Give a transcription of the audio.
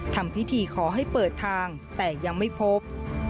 ทำพิธีขอให้เปิดทางแต่ยังไม่พบ